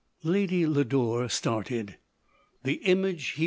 Lady Lodore started. The image he pre LODORE.